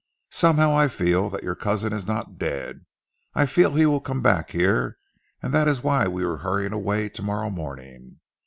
Somehow I feel that your cousin is not dead. I feel that he will come back here, and that is why we are hurrying away tomorrow morning.